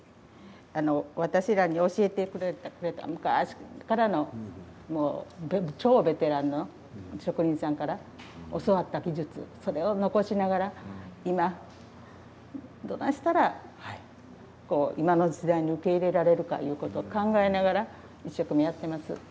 私らに教えてくれた昔からの超ベテランの職人さんから教わった技術それを残しながら今どないしたら今の時代に受け入れられるかということを考えながら一生懸命やっています。